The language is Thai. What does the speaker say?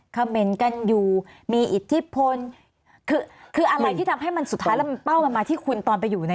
เขม่นกันอยู่มีอิทธิพลคือคืออะไรที่ทำให้มันสุดท้ายแล้วมันเป้ามันมาที่คุณตอนไปอยู่ใน